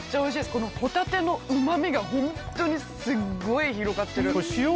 このホタテのうま味がホントにすっごい広がってる。